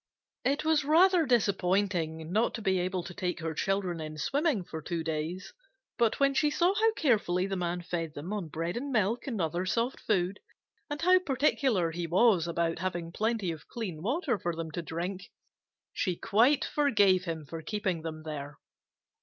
Page 72] It was rather disappointing not to be able to take her children in swimming for two days, but when she saw how carefully the Man fed them on bread and milk and other soft food, and how particular he was about having plenty of clean water for them to drink, she quite forgave him for keeping them there.